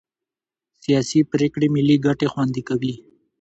سیاسي پرېکړې ملي ګټې خوندي کوي